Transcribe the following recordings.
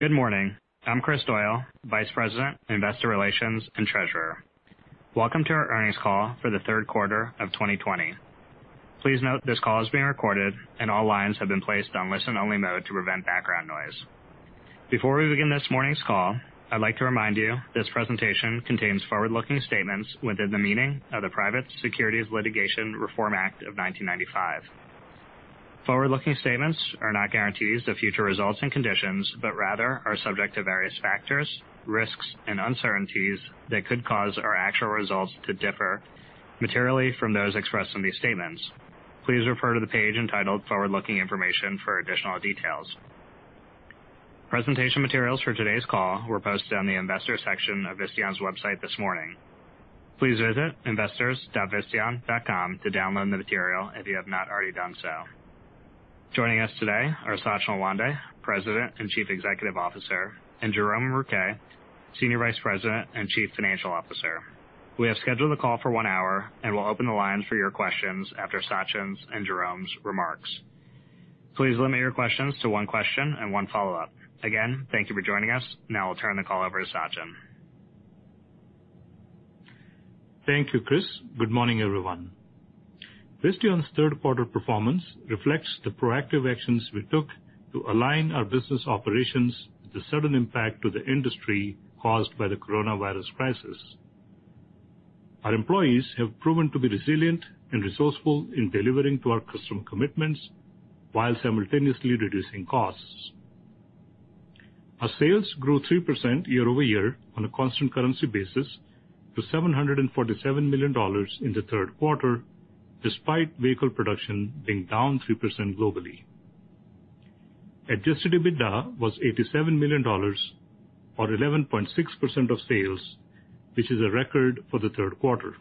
Good morning. I'm Kris Doyle, Vice President, Investor Relations and Treasurer. Welcome to our earnings call for the third quarter of 2020. Please note this call is being recorded, and all lines have been placed on listen-only mode to prevent background noise. Before we begin this morning's call, I'd like to remind you this presentation contains forward-looking statements within the meaning of the Private Securities Litigation Reform Act of 1995. Forward-looking statements are not guarantees of future results and conditions, but rather are subject to various factors, risks, and uncertainties that could cause our actual results to differ materially from those expressed in these statements. Please refer to the page entitled Forward-Looking Information for additional details. Presentation materials for today's call were posted on the Investors section of Visteon's website this morning. Please visit investors.visteon.com to download the material if you have not already done so. Joining us today are Sachin Lawande, President and Chief Executive Officer, and Jerome Rouquet, Senior Vice President and Chief Financial Officer. We have scheduled the call for one hour, and we will open the lines for your questions after Sachin's and Jerome's remarks. Please limit your questions to one question and one follow-up. Again, thank you for joining us. Now I will turn the call over to Sachin. Thank you, Kris. Good morning, everyone. Visteon's third quarter performance reflects the proactive actions we took to align our business operations with the sudden impact to the industry caused by the coronavirus crisis. Our employees have proven to be resilient and resourceful in delivering to our custom commitments while simultaneously reducing costs. Our sales grew 3% year-over-year on a constant currency basis to $747 million in the third quarter, despite vehicle production being down 3% globally. Adjusted EBITDA was $87 million or 11.6% of sales, which is a record for the third quarter.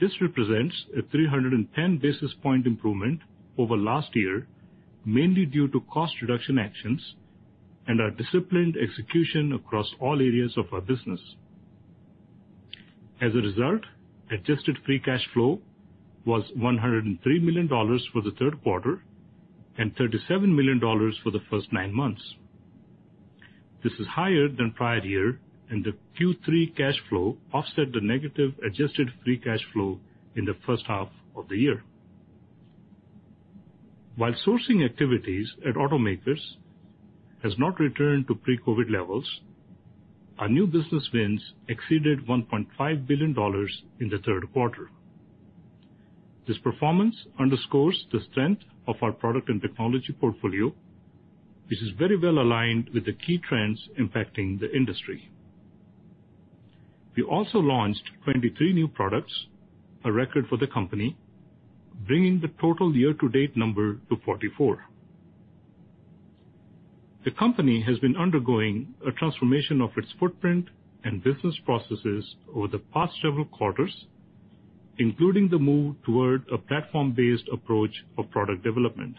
This represents a 310 basis point improvement over last year, mainly due to cost reduction actions and our disciplined execution across all areas of our business. As a result, adjusted free cash flow was $103 million for the third quarter and $37 million for the first nine months. This is higher than prior year, and the Q3 cash flow offset the negative adjusted free cash flow in the first half of the year. While sourcing activities at automakers has not returned to pre-COVID-19 levels, our new business wins exceeded $1.5 billion in the third quarter. This performance underscores the strength of our product and technology portfolio, which is very well aligned with the key trends impacting the industry. We also launched 23 new products, a record for the company, bringing the total year-to-date number to 44. The company has been undergoing a transformation of its footprint and business processes over the past several quarters, including the move toward a platform-based approach of product development.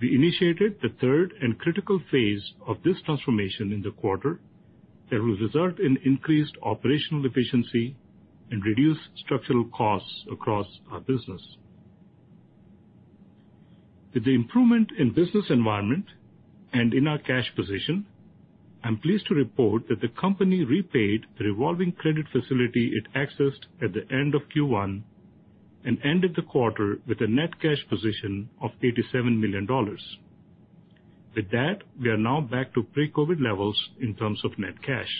We initiated the third and critical phase of this transformation in the quarter that will result in increased operational efficiency and reduced structural costs across our business. With the improvement in business environment and in our cash position, I'm pleased to report that the company repaid the revolving credit facility it accessed at the end of Q1 and ended the quarter with a net cash position of $87 million. With that, we are now back to pre-COVID levels in terms of net cash.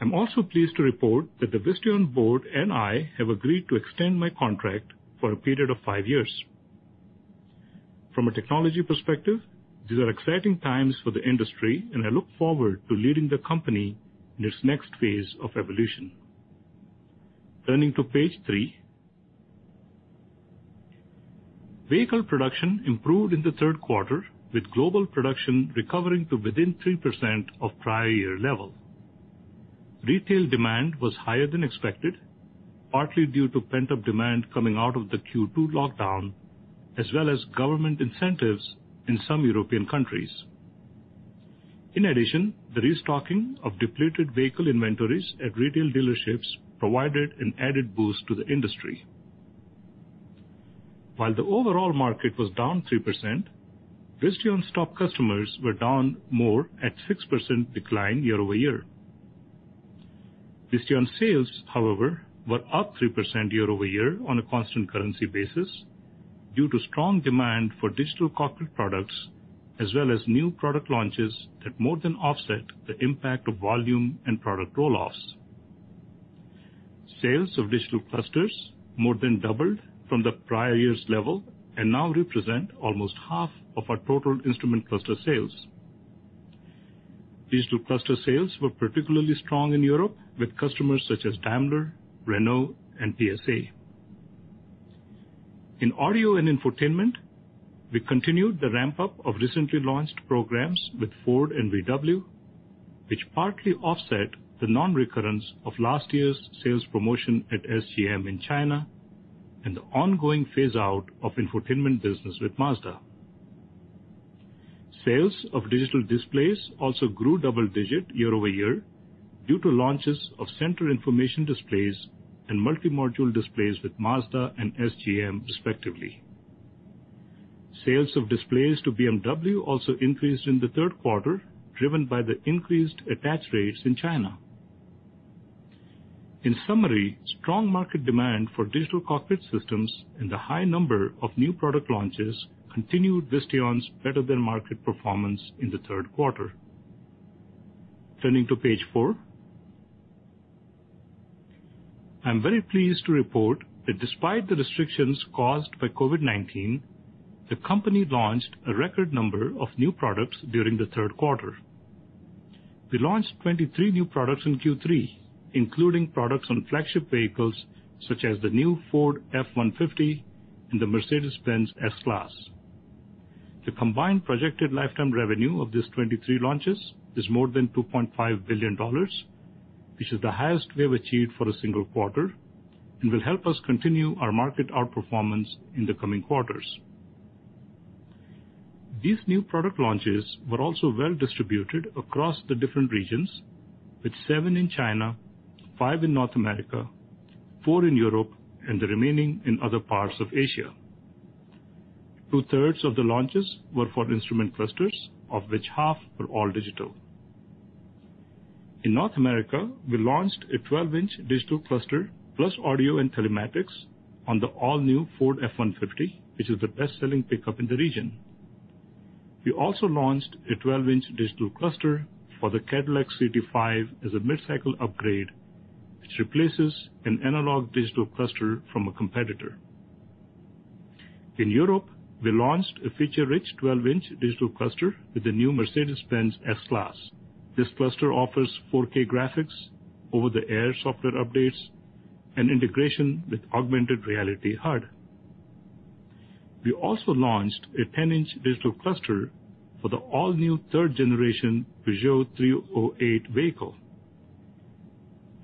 I'm also pleased to report that the Visteon board and I have agreed to extend my contract for a period of five years. From a technology perspective, these are exciting times for the industry, and I look forward to leading the company in its next phase of evolution. Turning to page three, vehicle production improved in the third quarter with global production recovering to within 3% of prior year level. Retail demand was higher than expected, partly due to pent-up demand coming out of the Q2 lockdown, as well as government incentives in some European countries. In addition, the restocking of depleted vehicle inventories at retail dealerships provided an added boost to the industry. While the overall market was down 3%, Visteon's top customers were down more at 6% decline year-over-year. Visteon sales, however, were up 3% year-over-year on a constant currency basis due to strong demand for digital cockpit products as well as new product launches that more than offset the impact of volume and product roll-offs. Sales of digital clusters more than doubled from the prior year's level and now represent almost half of our total instrument cluster sales. Digital cluster sales were particularly strong in Europe with customers such as Daimler, Renault, and PSA. In audio and infotainment, we continued the ramp-up of recently launched programs with Ford and VW, which partly offset the non-recurrence of last year's sales promotion at SGM in China and the ongoing phase-out of infotainment business with Mazda. Sales of digital displays also grew double-digit year-over-year due to launches of center information displays and multi-module displays with Mazda and SGM, respectively. Sales of displays to BMW also increased in the third quarter, driven by the increased attach rates in China. In summary, strong market demand for digital cockpit systems and the high number of new product launches continued Visteon's better-than-market performance in the third quarter. Turning to page four. I am very pleased to report that despite the restrictions caused by COVID-19, the company launched a record number of new products during the third quarter. We launched 23 new products in Q3, including products on flagship vehicles such as the new Ford F-150 and the Mercedes-Benz S-Class. The combined projected lifetime revenue of these 23 launches is more than $2.5 billion, which is the highest we have achieved for a single quarter and will help us continue our market outperformance in the coming quarters. These new product launches were also well distributed across the different regions, with seven in China, five in North America, four in Europe, and the remaining in other parts of Asia. Two-thirds of the launches were for instrument clusters, of which half were all digital. In North America, we launched a 12-inch digital cluster plus audio and telematics on the all-new Ford F-150, which is the best-selling pickup in the region. We also launched a 12-inch digital cluster for the Cadillac CT5 as a mid-cycle upgrade, which replaces an analog digital cluster from a competitor. In Europe, we launched a feature-rich 12-inch digital cluster with the new Mercedes-Benz S-Class. This cluster offers 4K graphics, over-the-air software updates, and integration with augmented reality HUD. We also launched a 10-inch digital cluster for the all-new third generation Peugeot 308 vehicle.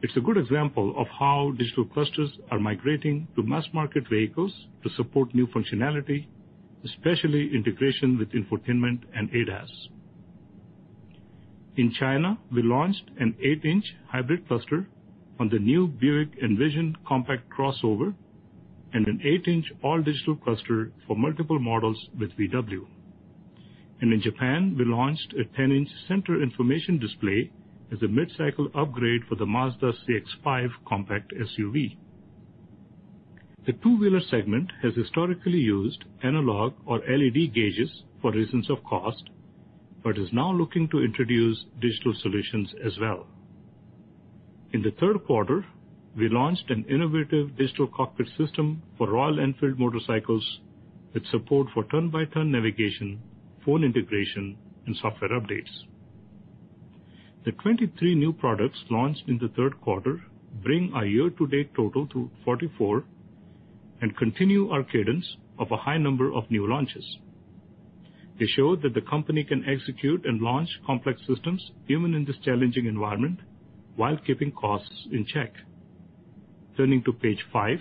It's a good example of how digital clusters are migrating to mass-market vehicles to support new functionality, especially integration with infotainment and ADAS. In China, we launched an eight-inch hybrid cluster on the new Buick Envision compact crossover and an eight-inch all-digital cluster for multiple models with VW. In Japan, we launched a 10-inch center information display as a mid-cycle upgrade for the Mazda CX-5 compact SUV. The two-wheeler segment has historically used analog or LED gauges for reasons of cost, but is now looking to introduce digital solutions as well. In the third quarter, we launched an innovative digital cockpit system for Royal Enfield motorcycles with support for turn-by-turn navigation, phone integration, and software updates. The 23 new products launched in the third quarter bring our year-to-date total to 44 and continue our cadence of a high number of new launches. They show that the company can execute and launch complex systems even in this challenging environment, while keeping costs in check. Turning to page five.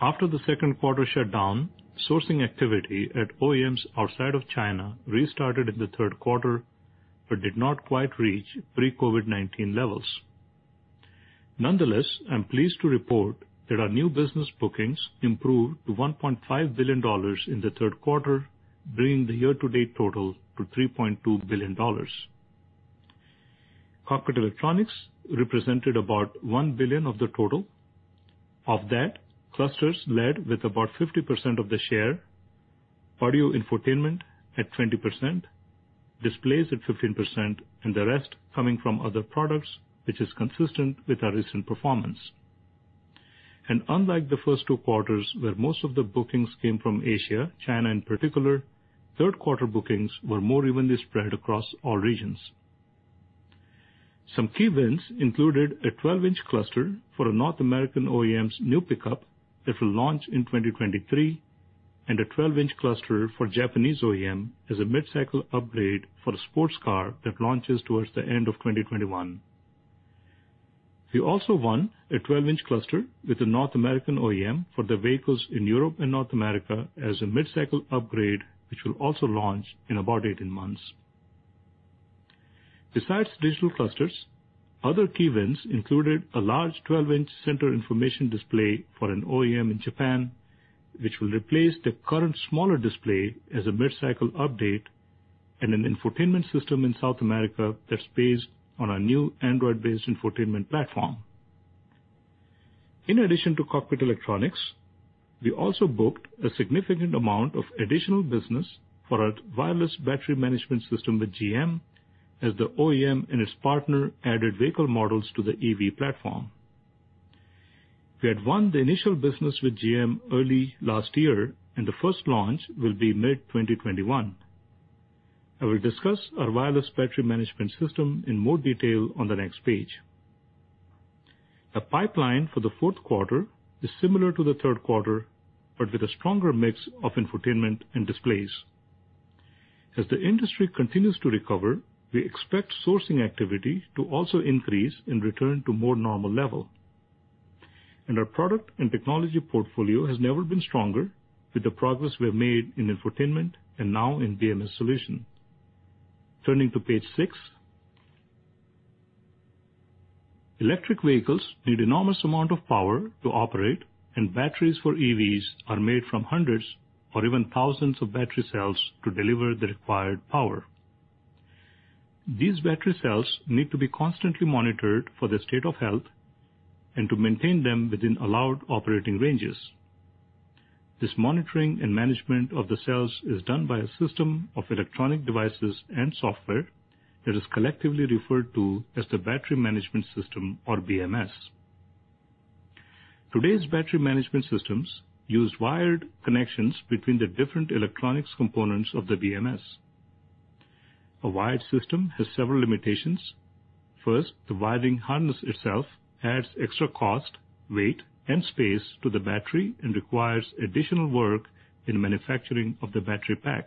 After the second quarter shutdown, sourcing activity at OEMs outside of China restarted in the third quarter but did not quite reach pre-COVID-19 levels. Nonetheless, I am pleased to report that our new business bookings improved to $1.5 billion in the third quarter, bringing the year-to-date total to $3.2 billion. Cockpit electronics represented about $1 billion of the total. Of that, clusters led with about 50% of the share, audio infotainment at 20%, displays at 15%, and the rest coming from other products, which is consistent with our recent performance. Unlike the first two quarters, where most of the bookings came from Asia, China in particular, third quarter bookings were more evenly spread across all regions. Some key wins included a 12-inch cluster for a North American OEM's new pickup that will launch in 2023 and a 12-inch cluster for Japanese OEM as a mid-cycle upgrade for a sports car that launches towards the end of 2021. We also won a 12-inch cluster with a North American OEM for the vehicles in Europe and North America as a mid-cycle upgrade, which will also launch in about 18 months. Besides digital clusters, other key wins included a large 12-inch center information display for an OEM in Japan, which will replace the current smaller display as a mid-cycle update, and an infotainment system in South America that's based on our new Android-based infotainment platform. In addition to cockpit electronics, we also booked a significant amount of additional business for our wireless battery management system with GM as the OEM and its partner added vehicle models to the EV platform. We had won the initial business with GM early last year, and the first launch will be mid-2021. I will discuss our wireless battery management system in more detail on the next page. The pipeline for the fourth quarter is similar to the third quarter, but with a stronger mix of infotainment and displays. As the industry continues to recover, we expect sourcing activity to also increase and return to more normal level. Our product and technology portfolio has never been stronger, with the progress we have made in infotainment and now in BMS solution. Turning to page six. Electric vehicles need enormous amount of power to operate, and batteries for EVs are made from hundreds or even thousands of battery cells to deliver the required power. These battery cells need to be constantly monitored for their state of health and to maintain them within allowed operating ranges. This monitoring and management of the cells is done by a system of electronic devices and software that is collectively referred to as the battery management system, or BMS. Today's battery management systems use wired connections between the different electronics components of the BMS. A wired system has several limitations. First, the wiring harness itself adds extra cost, weight, and space to the battery and requires additional work in manufacturing of the battery pack.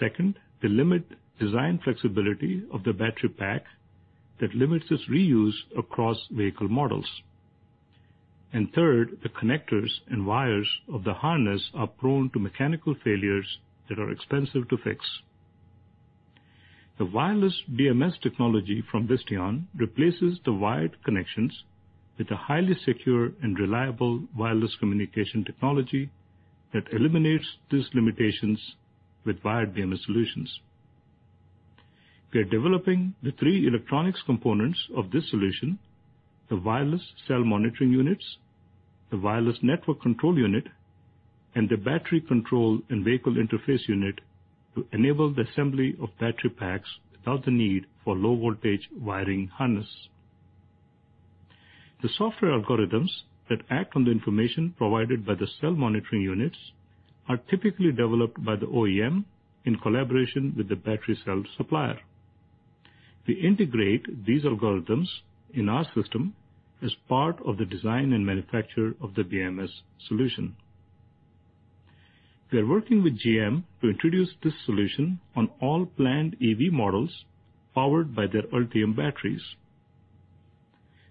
Second, they limit design flexibility of the battery pack that limits its reuse across vehicle models. Third, the connectors and wires of the harness are prone to mechanical failures that are expensive to fix. The wireless BMS technology from Visteon replaces the wired connections with a highly secure and reliable wireless communication technology that eliminates these limitations with wired BMS solutions. We are developing the three electronics components of this solution, the wireless cell monitoring units, the wireless network control unit, and the battery control and vehicle interface unit to enable the assembly of battery packs without the need for low-voltage wiring harness. The software algorithms that act on the information provided by the cell monitoring units are typically developed by the OEM in collaboration with the battery cell supplier. We integrate these algorithms in our system as part of the design and manufacture of the BMS solution. We are working with GM to introduce this solution on all planned EV models powered by their Ultium batteries.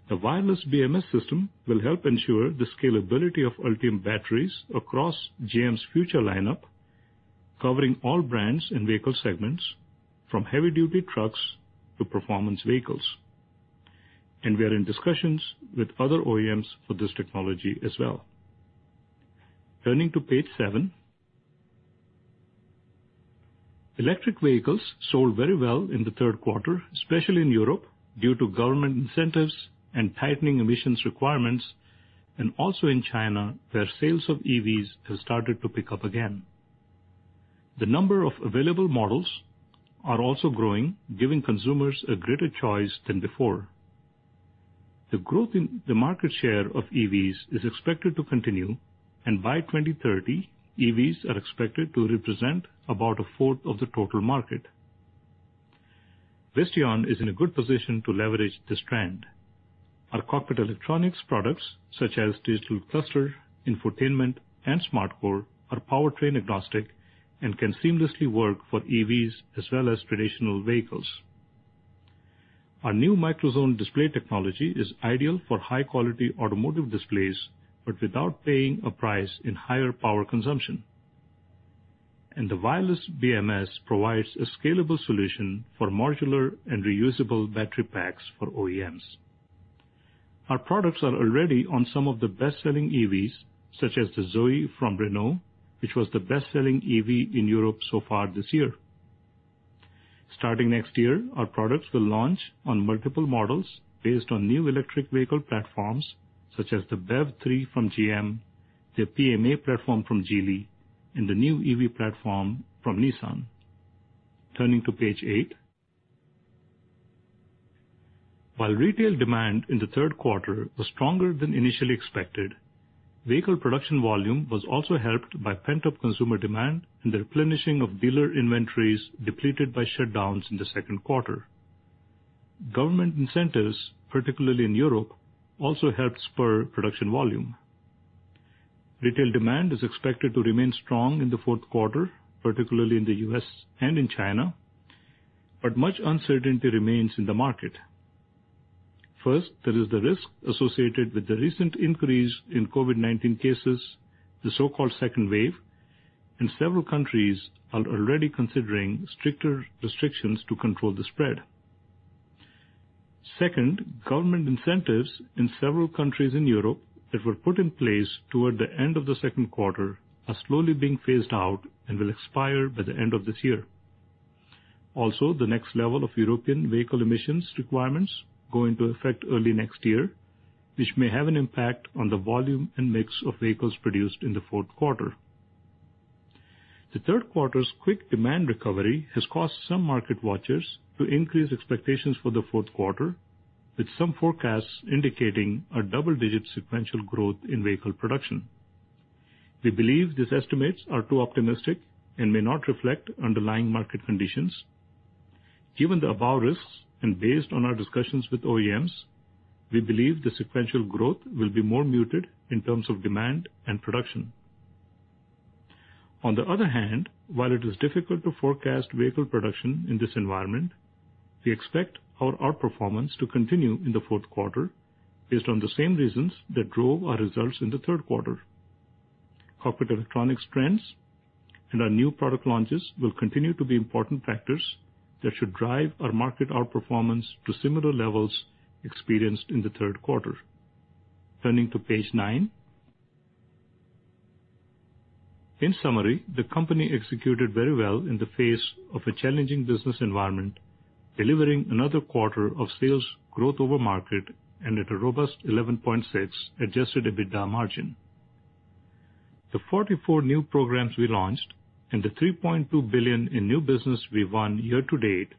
The wireless BMS system will help ensure the scalability of Ultium batteries across GM's future lineup, covering all brands and vehicle segments from heavy-duty trucks to performance vehicles. We are in discussions with other OEMs for this technology as well. Turning to page seven. Electric vehicles sold very well in the third quarter, especially in Europe, due to government incentives and tightening emissions requirements, and also in China, where sales of EVs have started to pick up again. The number of available models are also growing, giving consumers a greater choice than before. The growth in the market share of EVs is expected to continue. By 2030, EVs are expected to represent about a fourth of the total market. Visteon is in a good position to leverage this trend. Our cockpit electronics products, such as digital cluster, infotainment, and SmartCore, are powertrain-agnostic and can seamlessly work for EVs as well as traditional vehicles. Our new microZone display technology is ideal for high-quality automotive displays, but without paying a price in higher power consumption. The wireless BMS provides a scalable solution for modular and reusable battery packs for OEMs. Our products are already on some of the best-selling EVs, such as the ZOE from Renault, which was the best-selling EV in Europe so far this year. Starting next year, our products will launch on multiple models based on new electric vehicle platforms, such as the BEV3 from GM, the PMA platform from Geely, and the new EV platform from Nissan. Turning to page eight. While retail demand in the third quarter was stronger than initially expected, vehicle production volume was also helped by pent-up consumer demand and the replenishing of dealer inventories depleted by shutdowns in the second quarter. Government incentives, particularly in Europe, also helped spur production volume. Retail demand is expected to remain strong in the fourth quarter, particularly in the U.S. and in China, but much uncertainty remains in the market. First, there is the risk associated with the recent increase in COVID-19 cases, the so-called second wave, and several countries are already considering stricter restrictions to control the spread. Government incentives in several countries in Europe that were put in place toward the end of the second quarter are slowly being phased out and will expire by the end of this year. The next level of European vehicle emissions requirements go into effect early next year, which may have an impact on the volume and mix of vehicles produced in the fourth quarter. The third quarter's quick demand recovery has caused some market watchers to increase expectations for the fourth quarter, with some forecasts indicating a double-digit sequential growth in vehicle production. We believe these estimates are too optimistic and may not reflect underlying market conditions. Given the above risks and based on our discussions with OEMs, we believe the sequential growth will be more muted in terms of demand and production. On the other hand, while it is difficult to forecast vehicle production in this environment, we expect our outperformance to continue in the fourth quarter based on the same reasons that drove our results in the third quarter. Cockpit electronics trends and our new product launches will continue to be important factors that should drive our market outperformance to similar levels experienced in the third quarter. Turning to page nine. In summary, the company executed very well in the face of a challenging business environment, delivering another quarter of sales growth over market and at a robust 11.6% adjusted EBITDA margin. The 44 new programs we launched and the $3.2 billion in new business we won year to date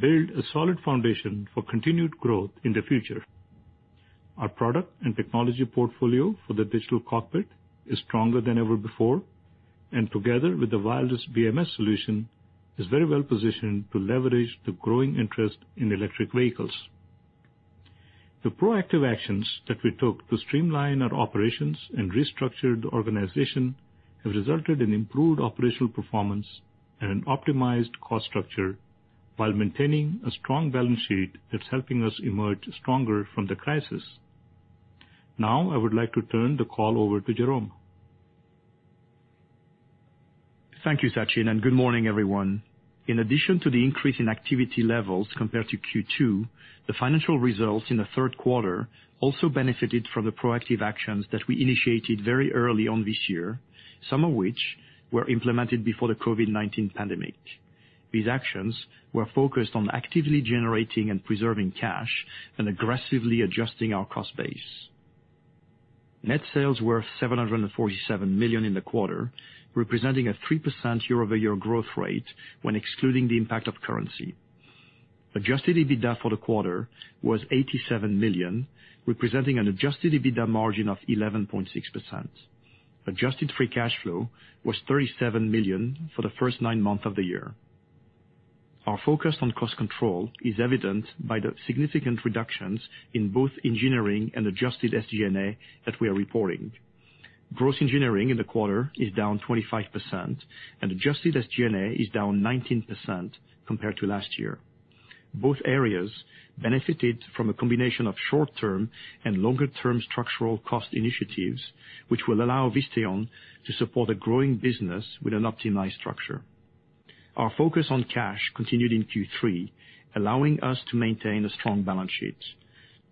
build a solid foundation for continued growth in the future. Our product and technology portfolio for the digital cockpit is stronger than ever before, and together with the wireless BMS solution, is very well positioned to leverage the growing interest in electric vehicles. The proactive actions that we took to streamline our operations and restructure the organization have resulted in improved operational performance and an optimized cost structure while maintaining a strong balance sheet that's helping us emerge stronger from the crisis. Now, I would like to turn the call over to Jerome. Thank you, Sachin, and good morning, everyone. In addition to the increase in activity levels compared to Q2, the financial results in the third quarter also benefited from the proactive actions that we initiated very early on this year, some of which were implemented before the COVID-19 pandemic. These actions were focused on actively generating and preserving cash and aggressively adjusting our cost base. Net sales were $747 million in the quarter, representing a 3% year-over-year growth rate when excluding the impact of currency. Adjusted EBITDA for the quarter was $87 million, representing an adjusted EBITDA margin of 11.6%. Adjusted free cash flow was $37 million for the first nine months of the year. Our focus on cost control is evident by the significant reductions in both engineering and adjusted SG&A that we are reporting. Gross engineering in the quarter is down 25% and adjusted SG&A is down 19% compared to last year. Both areas benefited from a combination of short-term and longer-term structural cost initiatives, which will allow Visteon to support a growing business with an optimized structure. Our focus on cash continued in Q3, allowing us to maintain a strong balance sheet.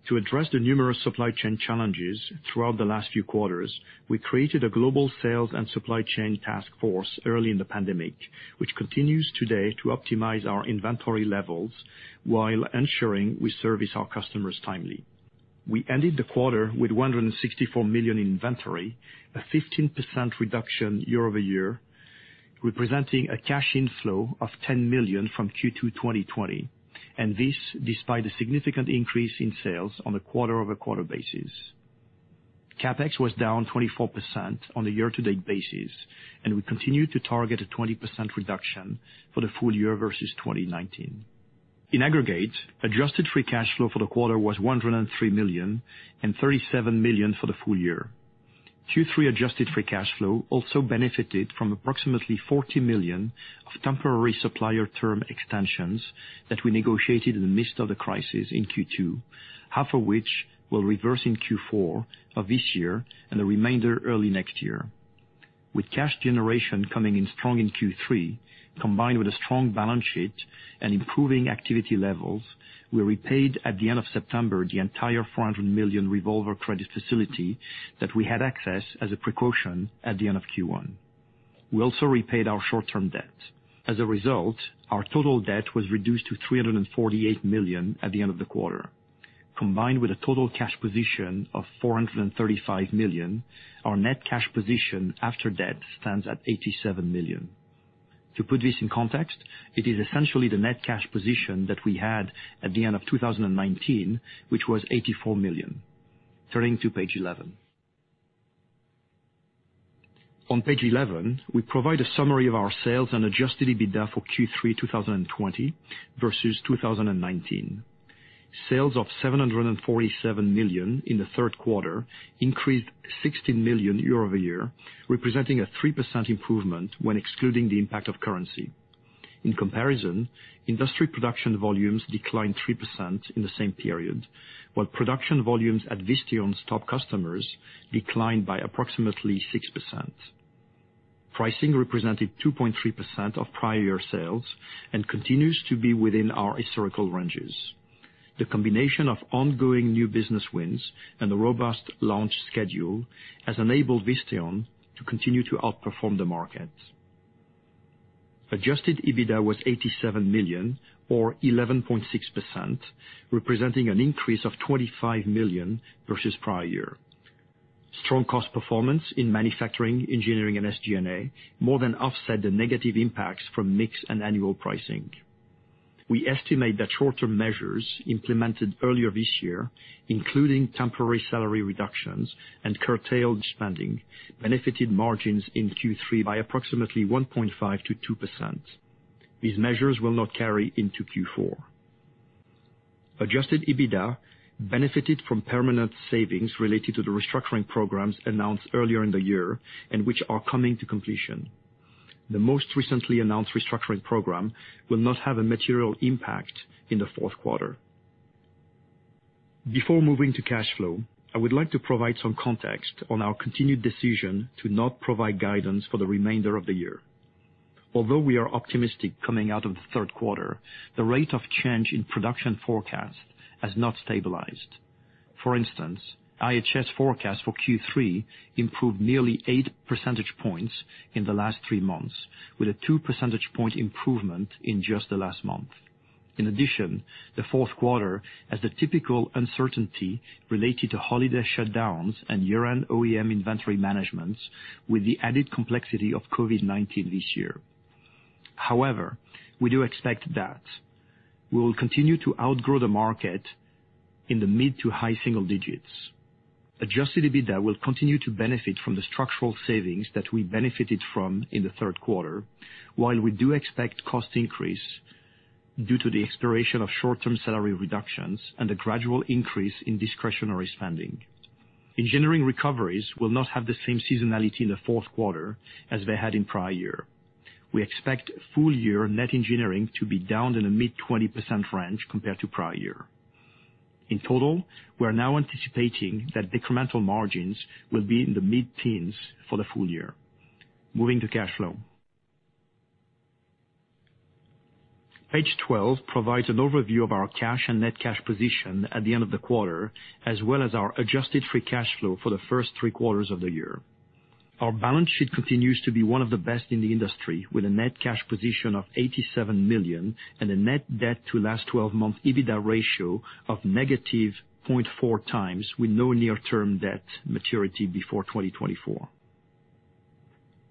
To address the numerous supply chain challenges throughout the last few quarters, we created a global sales and supply chain task force early in the pandemic, which continues today to optimize our inventory levels while ensuring we service our customers timely. We ended the quarter with $164 million in inventory, a 15% reduction year-over-year, representing a cash inflow of $10 million from Q2 2020, and this despite a significant increase in sales on a quarter-over-quarter basis. CapEx was down 24% on a year-to-date basis, and we continued to target a 20% reduction for the full year versus 2019. In aggregate, adjusted free cash flow for the quarter was $103 million and $37 million for the full year. Q3 adjusted free cash flow also benefited from approximately $40 million of temporary supplier term extensions that we negotiated in the midst of the crisis in Q2, half of which will reverse in Q4 of this year and the remainder early next year. With cash generation coming in strong in Q3, combined with a strong balance sheet and improving activity levels, we repaid at the end of September the entire $400 million revolver credit facility that we had access as a precaution at the end of Q1. We also repaid our short-term debt. As a result, our total debt was reduced to $348 million at the end of the quarter. Combined with a total cash position of $435 million, our net cash position after debt stands at $87 million. To put this in context, it is essentially the net cash position that we had at the end of 2019, which was $84 million. Turning to page 11. On page 11, we provide a summary of our sales and adjusted EBITDA for Q3 2020 versus 2019. Sales of $747 million in the third quarter increased $16 million year-over-year, representing a 3% improvement when excluding the impact of currency. In comparison, industry production volumes declined 3% in the same period, while production volumes at Visteon's top customers declined by approximately 6%. Pricing represented 2.3% of prior year sales and continues to be within our historical ranges. The combination of ongoing new business wins and a robust launch schedule has enabled Visteon to continue to outperform the market. Adjusted EBITDA was $87 million, or 11.6%, representing an increase of $25 million versus prior year. Strong cost performance in manufacturing, engineering, and SG&A more than offset the negative impacts from mix and annual pricing. We estimate that short-term measures implemented earlier this year, including temporary salary reductions and curtailed spending, benefited margins in Q3 by approximately 1.5%-2%. These measures will not carry into Q4. Adjusted EBITDA benefited from permanent savings related to the restructuring programs announced earlier in the year and which are coming to completion. The most recently announced restructuring program will not have a material impact in the fourth quarter. Before moving to cash flow, I would like to provide some context on our continued decision to not provide guidance for the remainder of the year. Although we are optimistic coming out of the third quarter, the rate of change in production forecast has not stabilized. For instance, IHS forecast for Q3 improved nearly eight percentage points in the last three months, with a two percentage point improvement in just the last month. In addition, the fourth quarter has the typical uncertainty related to holiday shutdowns and year-end OEM inventory managements, with the added complexity of COVID-19 this year. However, we do expect that we will continue to outgrow the market in the mid to high single digits. Adjusted EBITDA will continue to benefit from the structural savings that we benefited from in the third quarter, while we do expect cost increase due to the expiration of short-term salary reductions and a gradual increase in discretionary spending. Engineering recoveries will not have the same seasonality in the fourth quarter as they had in prior year. We expect full-year net engineering to be down in the mid 20% range compared to prior year. In total, we are now anticipating that incremental margins will be in the mid-teens for the full year. Moving to cash flow. Page 12 provides an overview of our cash and net cash position at the end of the quarter, as well as our adjusted free cash flow for the first three quarters of the year. Our balance sheet continues to be one of the best in the industry, with a net cash position of $87 million and a net debt to last 12-month EBITDA ratio of negative 0.4 times, with no near-term debt maturity before 2024.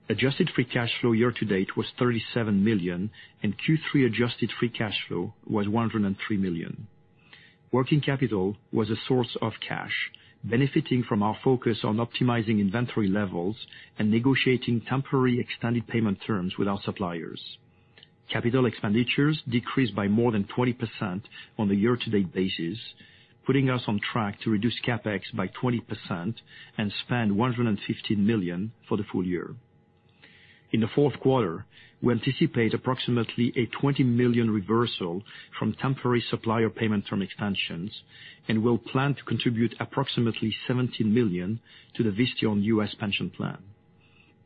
Adjusted free cash flow year to date was $37 million, and Q3 adjusted free cash flow was $103 million. Working capital was a source of cash, benefiting from our focus on optimizing inventory levels and negotiating temporary extended payment terms with our suppliers. Capital expenditures decreased by more than 20% on the year-to-date basis, putting us on track to reduce CapEx by 20% and spend $115 million for the full year. In the fourth quarter, we anticipate approximately a $20 million reversal from temporary supplier payment term expansions and will plan to contribute approximately $17 million to the Visteon US pension plan.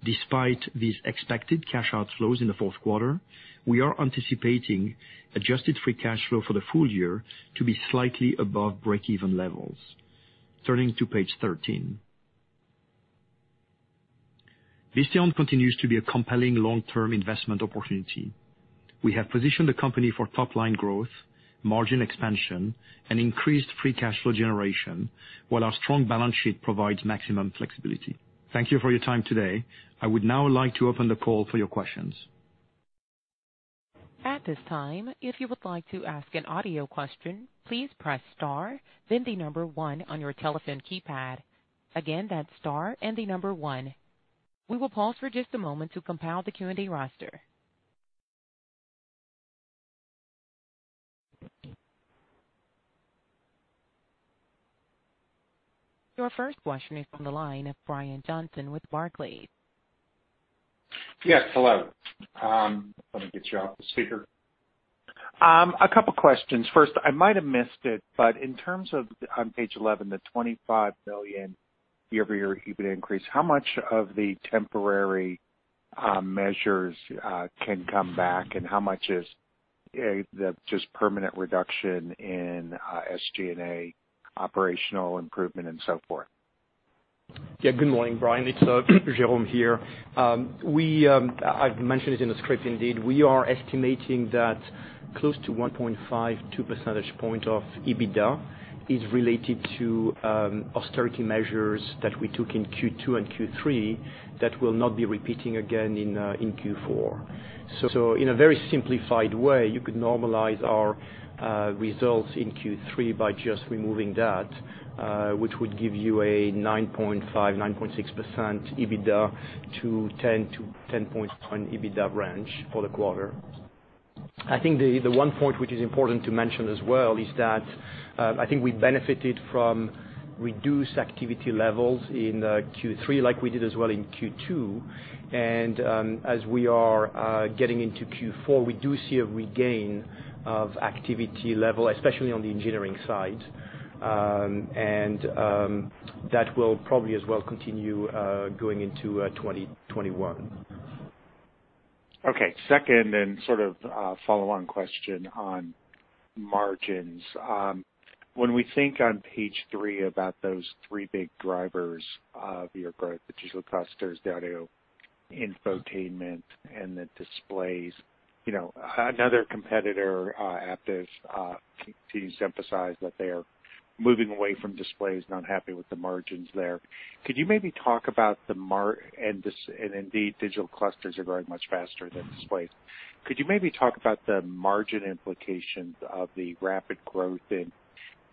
Despite these expected cash outflows in the fourth quarter, we are anticipating adjusted free cash flow for the full year to be slightly above break-even levels. Turning to page 13. Visteon continues to be a compelling long-term investment opportunity. We have positioned the company for top-line growth, margin expansion, and increased free cash flow generation, while our strong balance sheet provides maximum flexibility. Thank you for your time today. I would now like to open the call for your questions. At this time if you would like to ask an audio question please press star then the number one on your telephone keypad. Again press star and the number one. We will pause for just a moment to compile the Q&A roster. Your first question is from the line of Brian Johnson with Barclays. Yes. Hello. Let me get you off the speaker. A couple questions. First, I might have missed it, but in terms of, on page 11, the $25 million year-over-year EBITDA increase, how much of the temporary measures can come back, and how much is just permanent reduction in SG&A operational improvement and so forth? Good morning, Brian. It's Jerome here. I've mentioned it in the script indeed. We are estimating that close to 1.52 percentage point of EBITDA is related to austerity measures that we took in Q2 and Q3 that will not be repeating again in Q4. In a very simplified way, you could normalize our results in Q3 by just removing that, which would give you a 9.5%-9.6% EBITDA to 10% EBITDA range for the quarter. I think the one point which is important to mention as well is that I think we benefited from reduced activity levels in Q3 like we did as well in Q2. As we are getting into Q4, we do see a regain of activity level, especially on the engineering side. That will probably as well continue going into 2021. Okay. Second, sort of a follow-on question on margins. When we think on page three about those three big drivers of your growth, the digital clusters, the audio infotainment, and the displays, another competitor, Aptiv, continues to emphasize that they are moving away from displays, not happy with the margins there. Indeed, digital clusters are growing much faster than displays. Could you maybe talk about the margin implications of the rapid growth in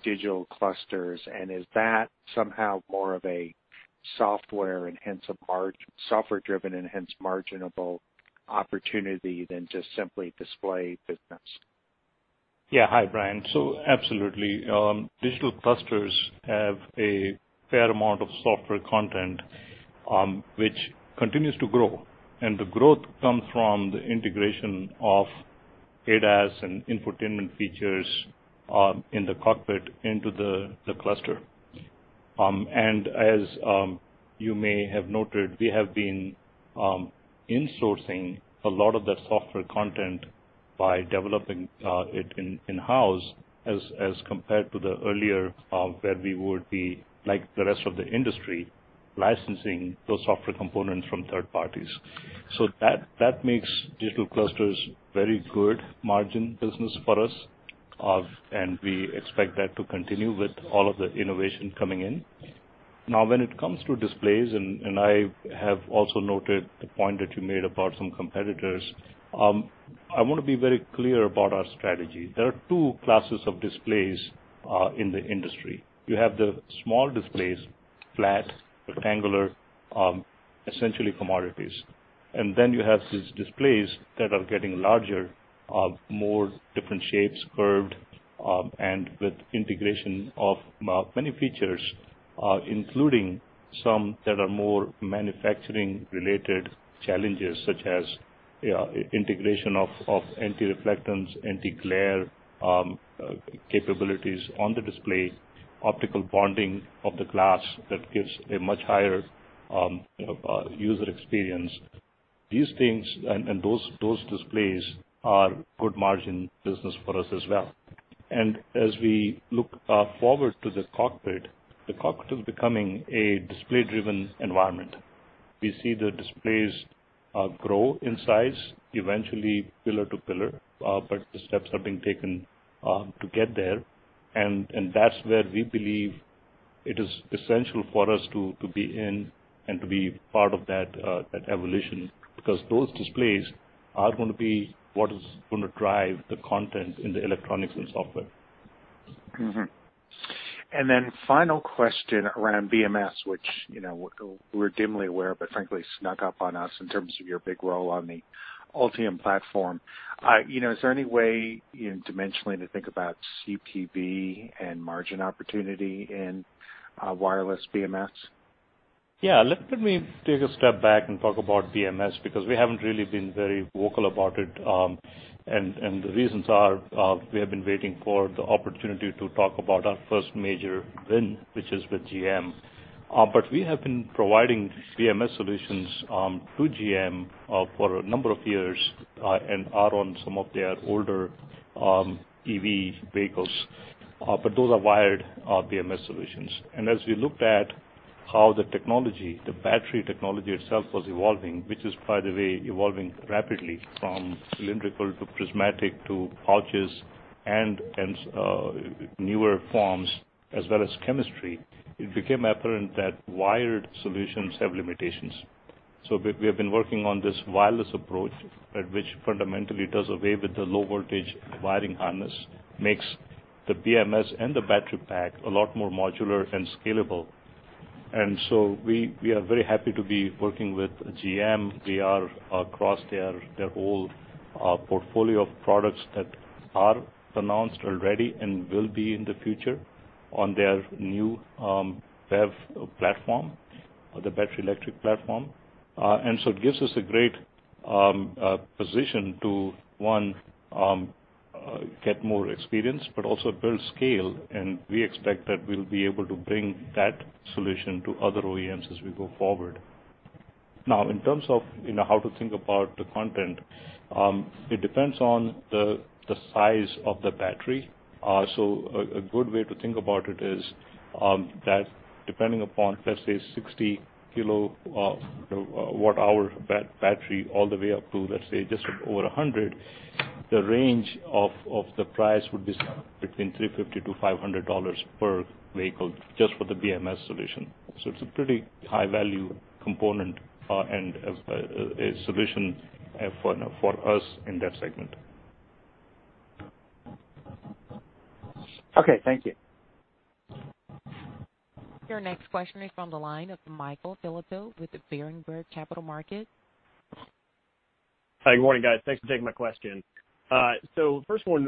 digital clusters? Is that somehow more of a software and hence software-driven and hence marginable opportunity than just simply display business. Hi, Brian. Absolutely. Digital clusters have a fair amount of software content, which continues to grow, and the growth comes from the integration of ADAS and infotainment features in the cockpit into the cluster. As you may have noted, we have been insourcing a lot of that software content by developing it in-house as compared to the earlier, where we would be, like the rest of the industry, licensing those software components from third parties. That makes digital clusters very good margin business for us, and we expect that to continue with all of the innovation coming in. When it comes to displays, I have also noted the point that you made about some competitors, I want to be very clear about our strategy. There are two classes of displays in the industry. You have the small displays, flat, rectangular, essentially commodities. Then you have these displays that are getting larger, more different shapes, curved, and with integration of many features, including some that are more manufacturing-related challenges, such as integration of anti-reflectance, anti-glare capabilities on the display, optical bonding of the glass that gives a much higher user experience. These things and those displays are good margin business for us as well. As we look forward to the cockpit, the cockpit is becoming a display-driven environment. We see the displays grow in size, eventually pillar to pillar, but the steps are being taken to get there. That's where we believe it is essential for us to be in and to be part of that evolution, because those displays are going to be what is going to drive the content in the electronics and software. Then final question around BMS, which we're dimly aware of, but frankly snuck up on us in terms of your big role on the Ultium platform. Is there any way dimensionally to think about CPV and margin opportunity in wireless BMS? Yeah. Let me take a step back and talk about BMS, because we haven't really been very vocal about it. The reasons are, we have been waiting for the opportunity to talk about our first major win, which is with GM. We have been providing BMS solutions to GM for a number of years, and are on some of their older EV vehicles. Those are wired BMS solutions. As we looked at how the technology, the battery technology itself was evolving, which is, by the way, evolving rapidly from cylindrical to prismatic to pouches and newer forms, as well as chemistry, it became apparent that wired solutions have limitations. We have been working on this wireless approach, which fundamentally does away with the low voltage wiring harness, makes the BMS and the battery pack a lot more modular and scalable. We are very happy to be working with GM. We are across their whole portfolio of products that are announced already and will be in the future on their new BEV platform, the battery electric platform. It gives us a great position to, one, get more experience, but also build scale. We expect that we'll be able to bring that solution to other OEMs as we go forward. Now, in terms of how to think about the content, it depends on the size of the battery. A good way to think about it is that depending upon, let's say, 60-kilowatt hour battery, all the way up to, let's say, just over 100, the range of the price would be between $350-$500 per vehicle, just for the BMS solution. It's a pretty high-value component and a solution for us in that segment. Okay. Thank you. Your next question is from the line of Michael Filatov with the Berenberg Capital Markets. Hi. Good morning, guys. Thanks for taking my question. First one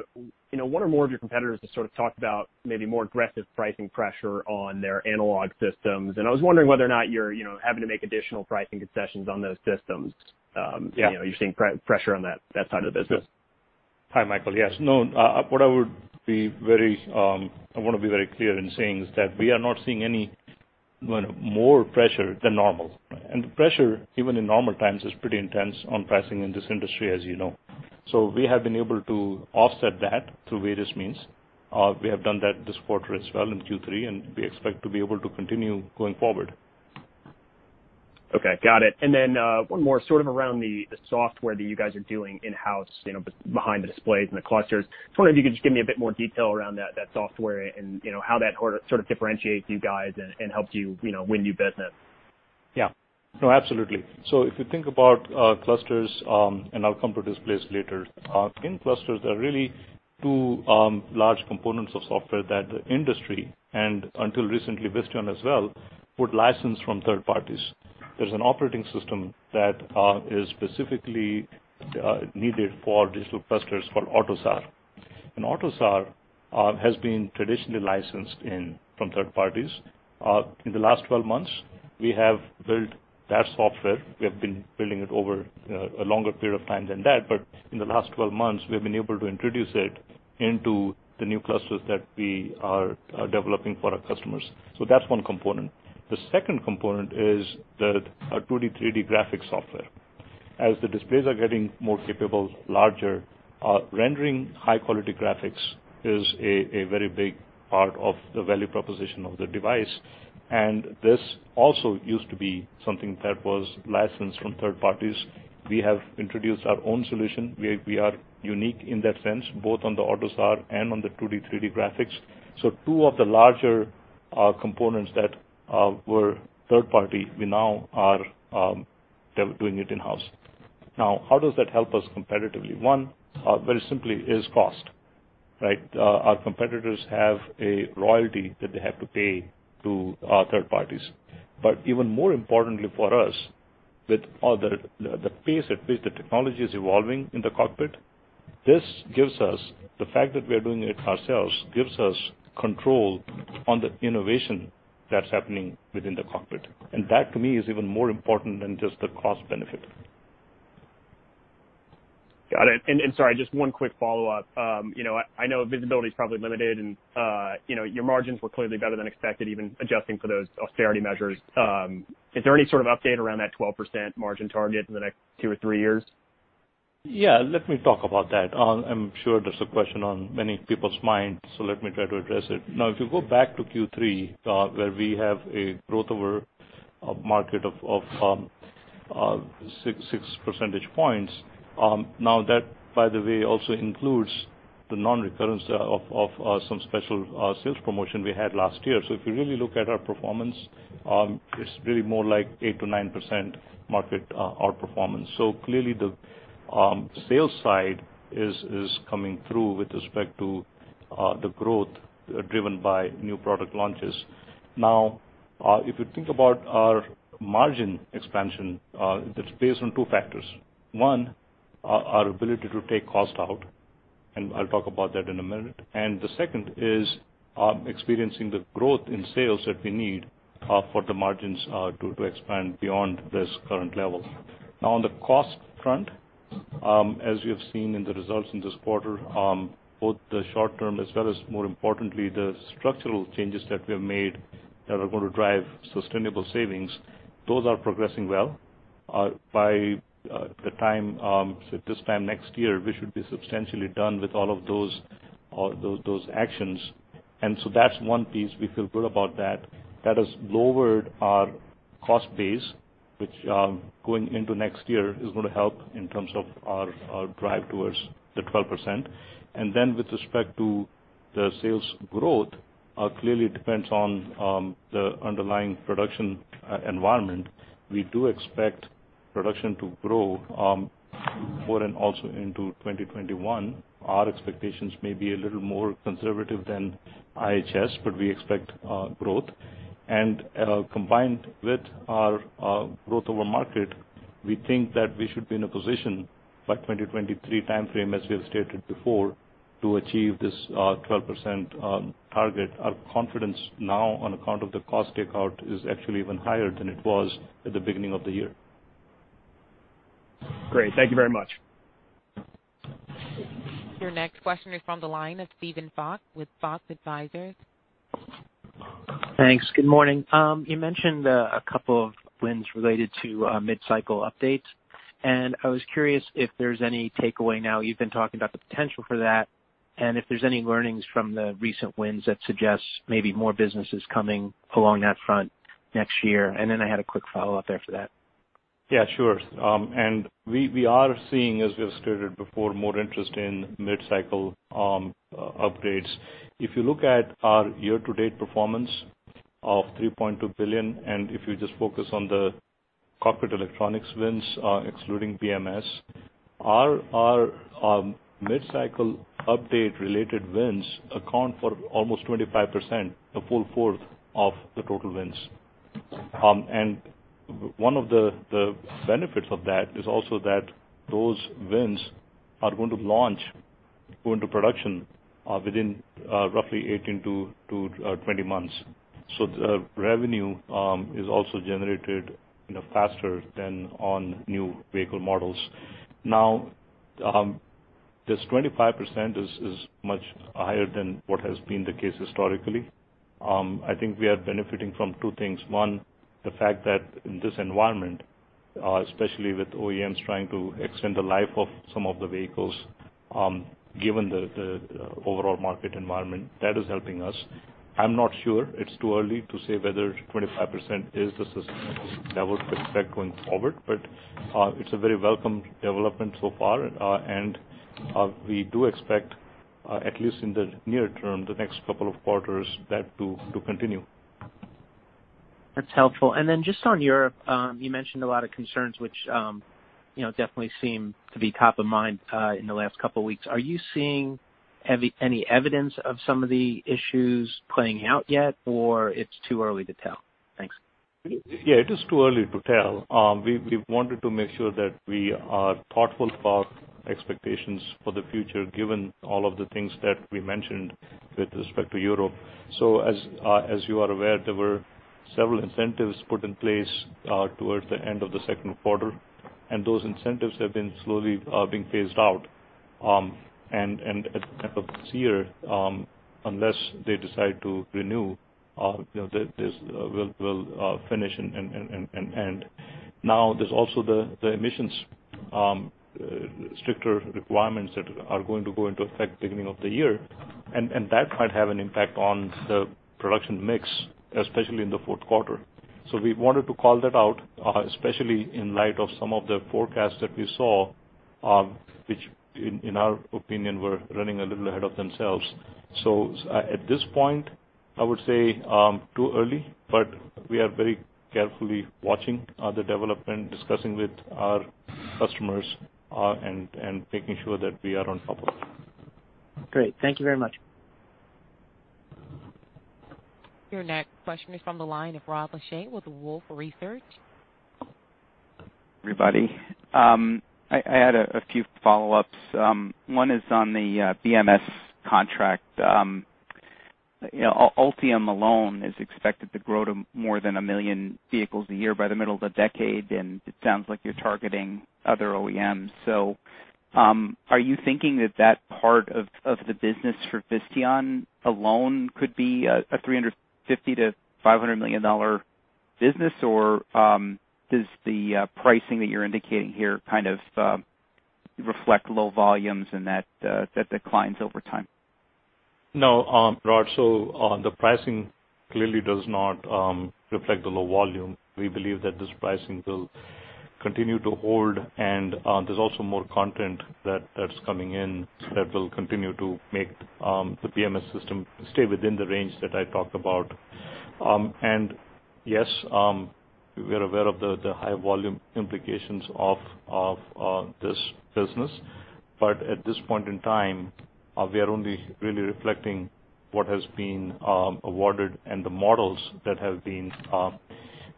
or more of your competitors has sort of talked about maybe more aggressive pricing pressure on their analog systems. I was wondering whether or not you're having to make additional pricing concessions on those systems. Yeah. You're seeing pressure on that side of the business. Hi, Michael. Yes. No, what I want to be very clear in saying is that we are not seeing any more pressure than normal. The pressure, even in normal times, is pretty intense on pricing in this industry, as you know. We have been able to offset that through various means. We have done that this quarter as well in Q3, and we expect to be able to continue going forward. Okay. Got it. One more, sort of around the software that you guys are doing in-house, behind the displays and the clusters. Just wondering if you could just give me a bit more detail around that software and how that sort of differentiates you guys and helps you win new business. Yeah. No, absolutely. If you think about clusters, and I'll come to displays later. In clusters, there are really two large components of software that the industry, and until recently, Visteon as well, would license from third parties. There's an operating system that is specifically needed for digital clusters called AUTOSAR. AUTOSAR has been traditionally licensed from third parties. In the last 12 months, we have built that software. We have been building it over a longer period of time than that, but in the last 12 months, we've been able to introduce it into the new clusters that we are developing for our customers. That's one component. The second component is the 2D/3D graphic software. As the displays are getting more capable, larger, rendering high-quality graphics is a very big part of the value proposition of the device. This also used to be something that was licensed from third parties. We have introduced our own solution. We are unique in that sense, both on the AUTOSAR and on the 2D/3D graphics. Two of the larger components that were third party, we now are doing it in-house. Now, how does that help us competitively? One, very simply is cost. Right. Our competitors have a royalty that they have to pay to third parties. Even more importantly for us, with the pace at which the technology is evolving in the cockpit, the fact that we are doing it ourselves, gives us control on the innovation that's happening within the cockpit. That to me is even more important than just the cost benefit. Got it. Sorry, just one quick follow-up. I know visibility's probably limited and your margins were clearly better than expected, even adjusting for those austerity measures. Is there any sort of update around that 12% margin target in the next two or three years? Yeah, let me talk about that. I'm sure that's a question on many people's minds, so let me try to address it. If you go back to Q3, where we have a growth over a market of six percentage points. That, by the way, also includes the non-recurrence of some special sales promotion we had last year. If you really look at our performance, it's really more like 8%-9% market outperformance. Clearly the sales side is coming through with respect to the growth driven by new product launches. If you think about our margin expansion, that's based on two factors. One, our ability to take cost out, and I'll talk about that in a minute. The second is, experiencing the growth in sales that we need for the margins to expand beyond this current level. On the cost front, as you have seen in the results in this quarter, both the short term as well as more importantly the structural changes that we have made that are going to drive sustainable savings, those are progressing well. By this time next year, we should be substantially done with all of those actions. That's one piece we feel good about that has lowered our cost base which going into next year is going to help in terms of our drive towards the 12%. With respect to the sales growth, clearly it depends on the underlying production environment. We do expect production to grow for and also into 2021. Our expectations may be a little more conservative than IHS, we expect growth. Combined with our growth over market, we think that we should be in a position by 2023 timeframe, as we have stated before, to achieve this 12% target. Our confidence now on account of the cost takeout is actually even higher than it was at the beginning of the year. Great. Thank you very much. Your next question is from the line of Steven Fox with Fox Advisors. Thanks. Good morning. You mentioned a couple of wins related to mid-cycle updates, I was curious if there's any takeaway now, you've been talking about the potential for that, and if there's any learnings from the recent wins that suggest maybe more businesses coming along that front next year. I had a quick follow-up after that. Yeah, sure. We are seeing, as we have stated before, more interest in mid-cycle upgrades. If you look at our year-to-date performance of $3.2 billion, if you just focus on the cockpit electronics wins, excluding BMS, our mid-cycle update related wins account for almost 25%, a full fourth of the total wins. One of the benefits of that is also that those wins are going to launch into production within roughly 18-20 months. The revenue is also generated faster than on new vehicle models. This 25% is much higher than what has been the case historically. I think we are benefiting from two things. One, the fact that in this environment, especially with OEMs trying to extend the life of some of the vehicles, given the overall market environment, that is helping us. I'm not sure, it's too early to say whether 25% is the sustainable level to expect going forward. It's a very welcome development so far. We do expect, at least in the near term, the next couple of quarters, that to continue. That's helpful. Just on Europe, you mentioned a lot of concerns, which definitely seem to be top of mind in the last couple of weeks. Are you seeing any evidence of some of the issues playing out yet, or it's too early to tell? Thanks. Yeah. It is too early to tell. We wanted to make sure that we are thoughtful about expectations for the future, given all of the things that we mentioned with respect to Europe. As you are aware, there were several incentives put in place towards the end of the second quarter, and those incentives have been slowly being phased out. At the end of this year, unless they decide to renew, this will finish and end. There's also the emissions stricter requirements that are going to go into effect beginning of the year, and that might have an impact on the production mix, especially in the fourth quarter. We wanted to call that out, especially in light of some of the forecasts that we saw, which in our opinion, were running a little ahead of themselves. At this point, I would say too early, but we are very carefully watching the development, discussing with our customers, and making sure that we are on top of it. Great. Thank you very much. Your next question is from the line of Rod Lache with Wolfe Research. Everybody. I had a few follow-ups. One is on the BMS contract. Ultium alone is expected to grow to more than 1 million vehicles a year by the middle of the decade. It sounds like you're targeting other OEMs. Are you thinking that that part of the business for Visteon alone could be a $350 million-$500 million business, or does the pricing that you're indicating here kind of reflect low volumes and that declines over time? No, Rod. The pricing clearly does not reflect the low volume. We believe that this pricing will continue to hold, and there's also more content that's coming in that will continue to make the BMS system stay within the range that I talked about. Yes, we are aware of the high volume implications of this business. At this point in time, we are only really reflecting what has been awarded and the models that have been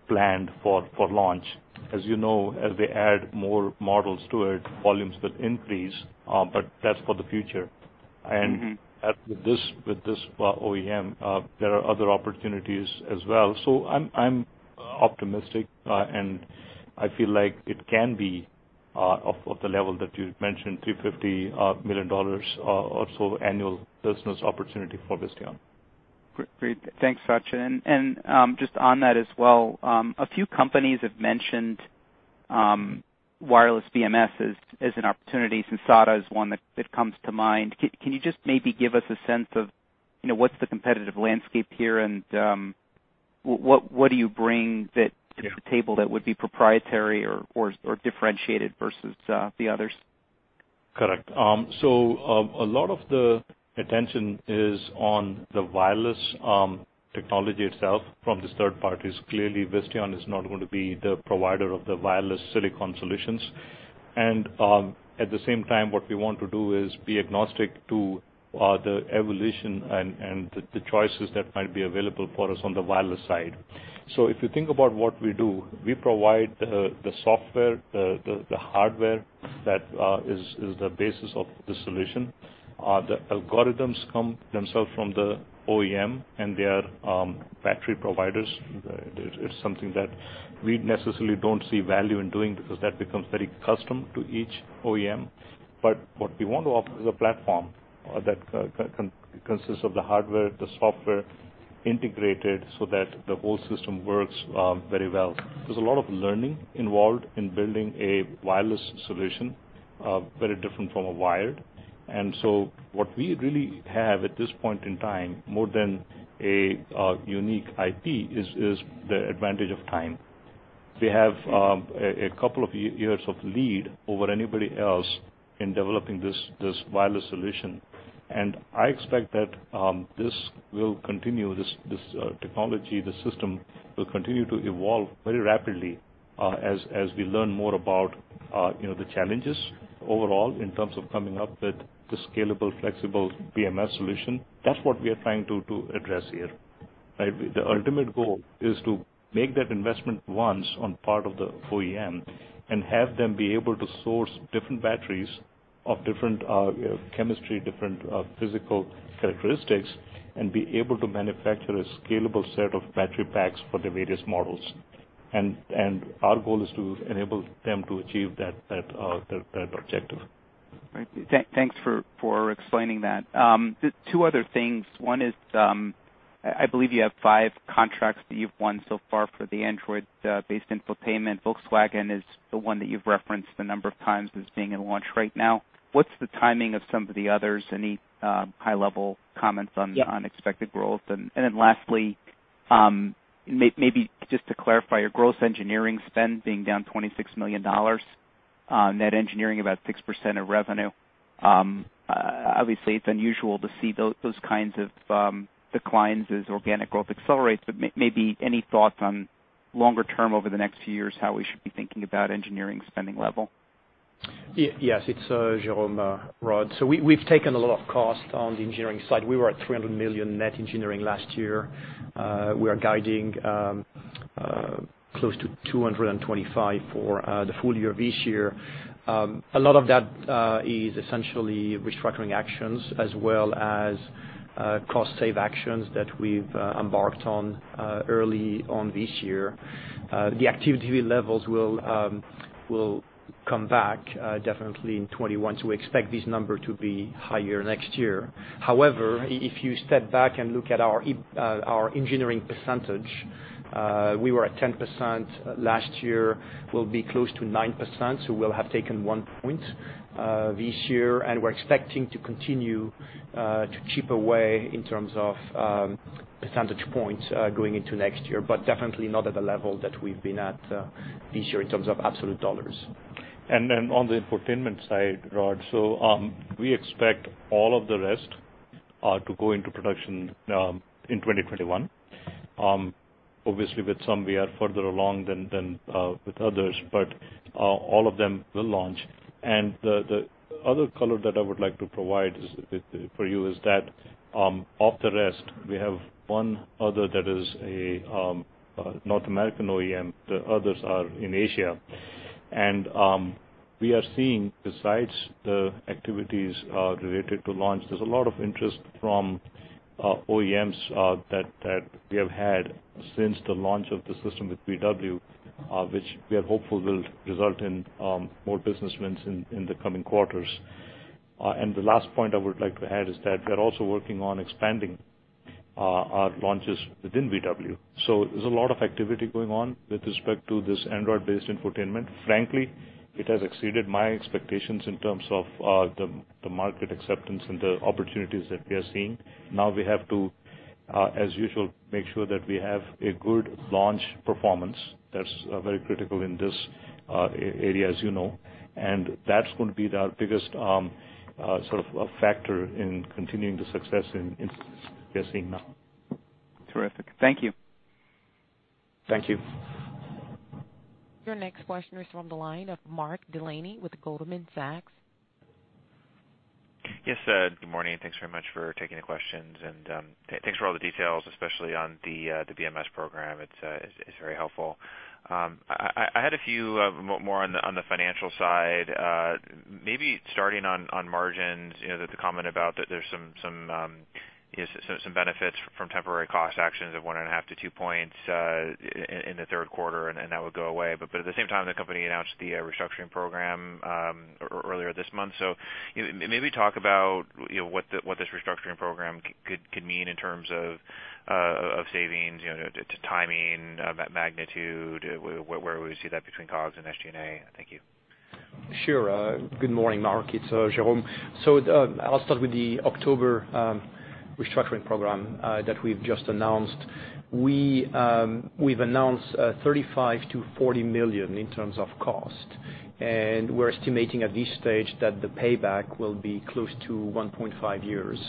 planned for launch. As you know, as they add more models to it, volumes will increase, but that's for the future. With this OEM, there are other opportunities as well. I'm optimistic, and I feel like it can be of the level that you mentioned, $350 million or so annual business opportunity for Visteon. Great. Thanks, Sachin. Just on that as well, a few companies have mentioned wireless BMS as an opportunity. Sensata is one that comes to mind. Can you just maybe give us a sense of what's the competitive landscape here, and what do you bring to the table that would be proprietary or differentiated versus the others? Correct. A lot of the attention is on the wireless technology itself from these third parties. Clearly, Visteon is not going to be the provider of the wireless silicon solutions. At the same time, what we want to do is be agnostic to the evolution and the choices that might be available for us on the wireless side. If you think about what we do, we provide the software, the hardware that is the basis of the solution. The algorithms come themselves from the OEM and their battery providers. It's something that we necessarily don't see value in doing because that becomes very custom to each OEM. What we want to offer is a platform that consists of the hardware, the software integrated so that the whole system works very well. There's a lot of learning involved in building a wireless solution, very different from a wired. What we really have at this point in time, more than a unique IP, is the advantage of time. We have a couple of years of lead over anybody else in developing this wireless solution, and I expect that this will continue, this technology, this system will continue to evolve very rapidly, as we learn more about the challenges overall in terms of coming up with the scalable, flexible BMS solution. That's what we are trying to address here. Right? The ultimate goal is to make that investment once on part of the OEM and have them be able to source different batteries of different chemistry, different physical characteristics, and be able to manufacture a scalable set of battery packs for the various models. Our goal is to enable them to achieve that objective. Right. Thanks for explaining that. Two other things. One is, I believe you have five contracts that you've won so far for the Android-based infotainment. Volkswagen is the one that you've referenced a number of times as being in launch right now. What's the timing of some of the others? Any high-level comments on? Yeah. Expected growth? Lastly, just to clarify your gross engineering spend being down $26 million, net engineering about 6% of revenue. Obviously, it is unusual to see those kinds of declines as organic growth accelerates, maybe any thoughts on longer term over the next few years, how we should be thinking about engineering spending level? Yes, it's Jerome, Rod. We've taken a lot of cost on the engineering side. We were at $300 million net engineering last year. We are guiding close to $225 million for the full year of this year. A lot of that is essentially restructuring actions as well as cost save actions that we've embarked on early on this year. The activity levels will come back definitely in 2021. We expect this number to be higher next year. However, if you step back and look at our engineering percentage, we were at 10% last year, we'll be close to 9%. We'll have taken one point this year, and we're expecting to continue to chip away in terms of percentage points going into next year, but definitely not at the level that we've been at this year in terms of absolute dollars. On the infotainment side, Rod, we expect all of the rest to go into production in 2021. Obviously, with some we are further along than with others, but all of them will launch. The other color that I would like to provide for you is that of the rest, we have one other that is a North American OEM, the others are in Asia. We are seeing, besides the activities related to launch, there's a lot of interest from OEMs that we have had since the launch of the system with VW, which we are hopeful will result in more business wins in the coming quarters. The last point I would like to add is that we're also working on expanding our launches within VW. There's a lot of activity going on with respect to this Android-based infotainment. Frankly, it has exceeded my expectations in terms of the market acceptance and the opportunities that we are seeing. We have to, as usual, make sure that we have a good launch performance that's very critical in this area, as you know. That's going to be our biggest factor in continuing the success we are seeing now. Terrific. Thank you. Thank you. Your next question is from the line of Mark Delaney with Goldman Sachs. Yes, good morning. Thanks very much for taking the questions, and thanks for all the details, especially on the BMS program. It is very helpful. I had a few more on the financial side. Maybe starting on margins, the comment about that there is some benefits from temporary cost actions of one and a half to two points in the third quarter, and that would go away. At the same time, the company announced the restructuring program earlier this month. Maybe talk about what this restructuring program could mean in terms of savings, to timing, magnitude, where we see that between COGS and SG&A. Thank you. Sure. Good morning, Mark. It's Jerome. I'll start with the October restructuring program that we've just announced. We've announced $35 million-$40 million in terms of cost, and we're estimating at this stage that the payback will be close to 1.5 years.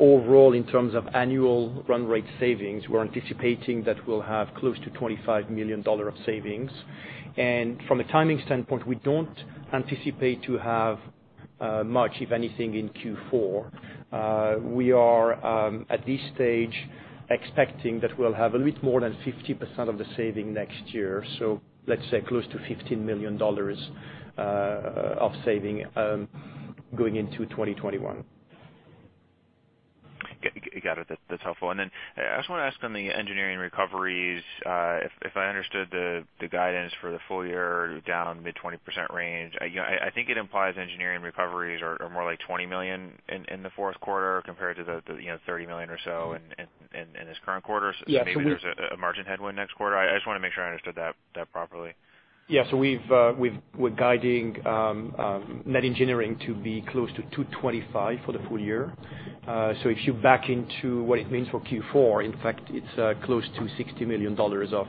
Overall, in terms of annual run rate savings, we're anticipating that we'll have close to $25 million of savings. From a timing standpoint, we don't anticipate to have much, if anything, in Q4. We are, at this stage, expecting that we'll have a little more than 50% of the saving next year. Let's say close to $15 million of saving going into 2021. Got it. That's helpful. I just want to ask on the engineering recoveries, if I understood the guidance for the full year down mid-20% range, I think it implies engineering recoveries are more like $20 million in the fourth quarter compared to the $30 million or so in this current quarter. Yeah. Maybe there's a margin headwind next quarter. I just want to make sure I understood that properly. Yeah, we're guiding net engineering to be close to $225 for the full year. If you back into what it means for Q4, in fact, it's close to $60 million of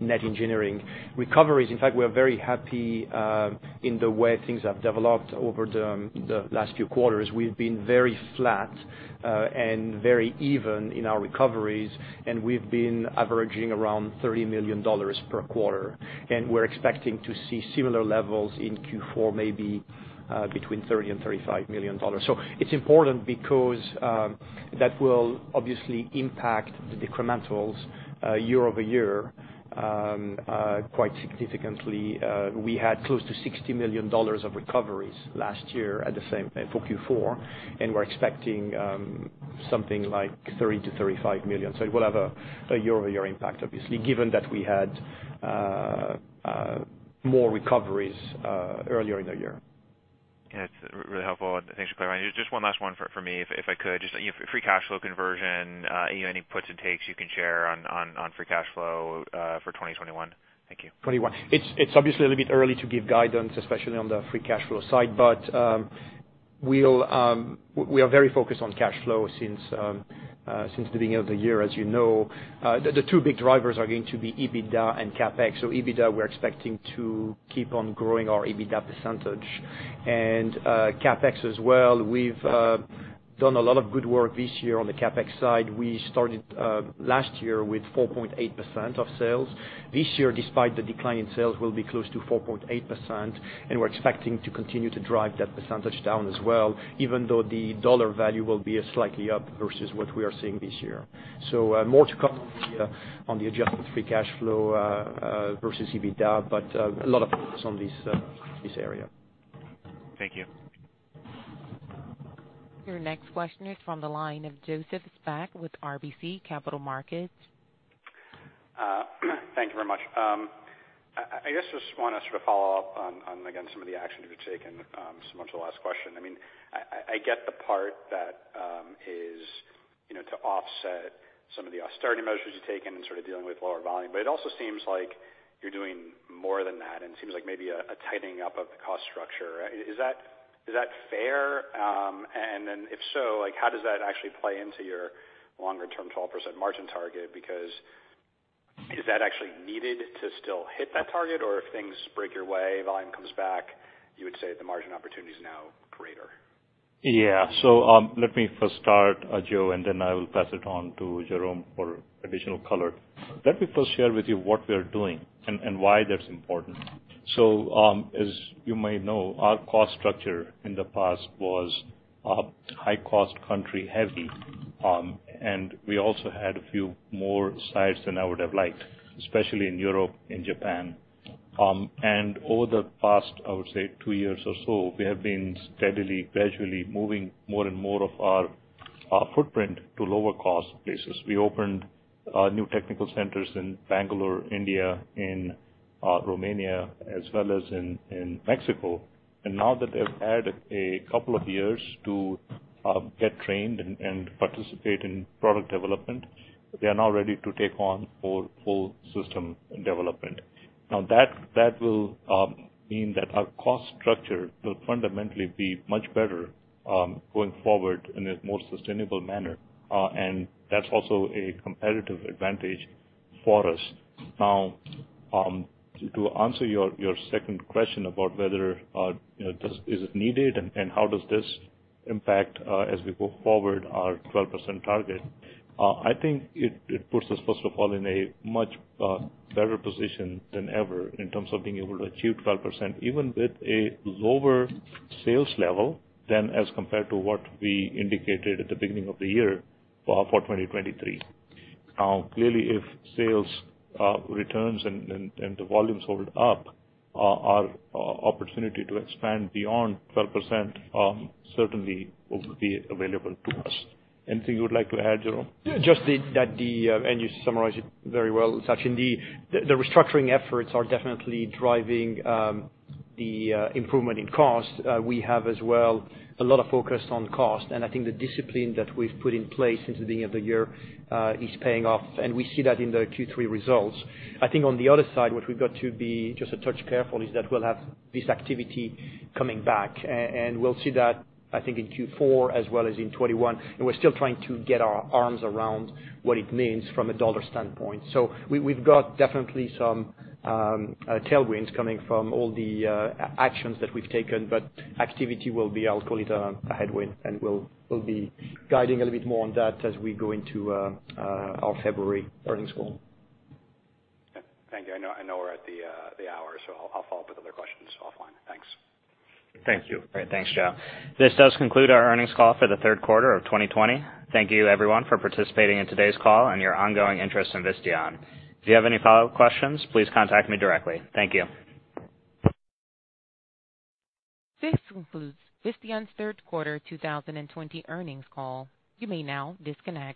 net engineering recoveries. In fact, we're very happy in the way things have developed over the last few quarters. We've been very flat and very even in our recoveries, and we've been averaging around $30 million per quarter. We're expecting to see similar levels in Q4, maybe between $30 million and $35 million. It's important because that will obviously impact the incrementals year-over-year quite significantly. We had close to $60 million of recoveries last year at the same for Q4, and we're expecting something like $30 million-$35 million. It will have a year-over-year impact, obviously, given that we had more recoveries earlier in the year. Yeah, it's really helpful. Thanks for clarifying. Just one last one for me, if I could. Just free cash flow conversion, any puts and takes you can share on free cash flow for 2021? Thank you. 2021. It's obviously a little bit early to give guidance, especially on the free cash flow side. We are very focused on cash flow since the beginning of the year, as you know. The two big drivers are going to be EBITDA and CapEx. EBITDA, we're expecting to keep on growing our EBITDA percentage. CapEx as well. We've done a lot of good work this year on the CapEx side. We started last year with 4.8% of sales. This year, despite the decline in sales, we'll be close to 4.8%, and we're expecting to continue to drive that percentage down as well, even though the dollar value will be slightly up versus what we are seeing this year. More to come on the adjusted free cash flow versus EBITDA, but a lot of focus on this area. Thank you. Your next question is from the line of Joseph Spak with RBC Capital Markets. Thank you very much. I just want to sort of follow up on, again, some of the actions you've taken, similar to the last question. I get the part that is to offset some of the austerity measures you've taken in sort of dealing with lower volume. It also seems like you're doing more than that, and it seems like maybe a tightening up of the cost structure. Is that fair? If so, how does that actually play into your longer term 12% margin target? Is that actually needed to still hit that target? If things break your way, volume comes back, you would say the margin opportunity is now greater? Yeah. Let me first start, Joe, and then I will pass it on to Jerome for additional color. Let me first share with you what we are doing and why that's important. As you may know, our cost structure in the past was high-cost country heavy. We also had a few more sites than I would have liked, especially in Europe and Japan. Over the past, I would say, two years or so, we have been steadily, gradually moving more and more of our footprint to lower cost bases. We opened new technical centers in Bangalore, India, in Romania, as well as in Mexico. Now that they've had a couple of years to get trained and participate in product development, they are now ready to take on more full system development. That will mean that our cost structure will fundamentally be much better, going forward, in a more sustainable manner. That's also a competitive advantage for us. To answer your second question about whether is it needed and how does this impact, as we go forward, our 12% target, I think it puts us, first of all, in a much better position than ever in terms of being able to achieve 12%, even with a lower sales level than as compared to what we indicated at the beginning of the year for 2023. Clearly, if sales returns and the volumes hold up, our opportunity to expand beyond 12% certainly will be available to us. Anything you would like to add, Jerome? Just that you summarized it very well, Sachin, the restructuring efforts are definitely driving the improvement in cost. We have as well a lot of focus on cost, and I think the discipline that we've put in place since the beginning of the year is paying off, and we see that in the Q3 results. I think on the other side, what we've got to be just a touch careful is that we'll have this activity coming back. We'll see that, I think, in Q4 as well as in 2021, and we're still trying to get our arms around what it means from a dollar standpoint. We've got definitely some tailwinds coming from all the actions that we've taken, but activity will be, I'll call it, a headwind, and we'll be guiding a little bit more on that as we go into our February earnings call. Thank you. I know we're at the hour. I'll follow up with other questions offline. Thanks. Thank you. Great. Thanks, Joe. This does conclude our earnings call for the third quarter of 2020. Thank you everyone for participating in today's call and your ongoing interest in Visteon. If you have any follow-up questions, please contact me directly. Thank you. This concludes Visteon's third quarter 2020 earnings call. You may now disconnect.